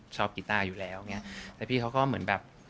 ชอบกีตาร์อยู่แล้วเนี้ยแต่พี่เขาก็เหมือนแบบ